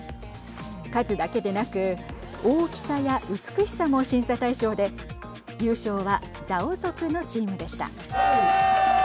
数だけでなく大きさや美しさも審査対象で優勝はザオ族のチームでした。